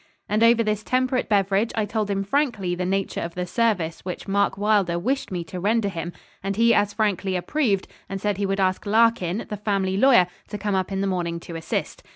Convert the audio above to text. And over this temperate beverage I told him frankly the nature of the service which Mark Wylder wished me to render him; and he as frankly approved, and said he would ask Larkin, the family lawyer, to come up in the morning to assist.